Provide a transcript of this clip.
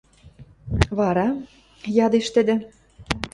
— Вара? — ядеш тӹдӹ.